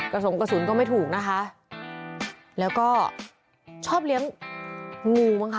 สงกระสุนก็ไม่ถูกนะคะแล้วก็ชอบเลี้ยงงูบ้างคะ